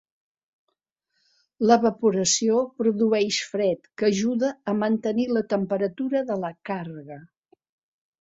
L'evaporació produeix fred que ajuda a mantenir la temperatura de la càrrega.